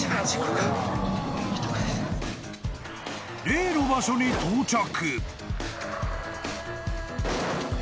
［例の場所に到着］